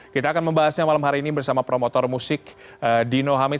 kita akan membahasnya malam hari ini bersama promotor musik dino hamid